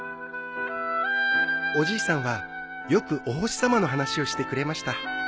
おじいさんはよくお星さまの話をしてくれました。